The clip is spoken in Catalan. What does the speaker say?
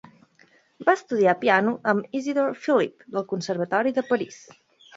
Va estudiar piano amb Isidor Philipp, del Conservatori de París.